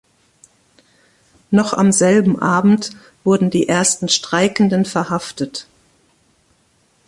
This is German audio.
Noch am selben Abend wurden die ersten Streikenden verhaftet.